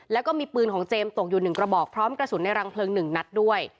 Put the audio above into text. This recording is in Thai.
แล้วก็มีปืนของเจมส์ตกอยู่๑กระบอกพร้อมกระสุนในรังเพลิง๑นัดด้วย